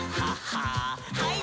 はい。